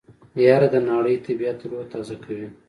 يره د ناړۍ طبعيت روح تازه کوي.